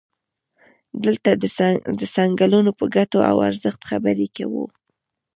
دلته د څنګلونو په ګټو او ارزښت خبرې کوو.